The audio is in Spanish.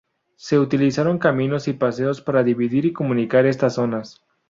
Se utilizaron caminos y paseos para dividir y comunicar estas zonas.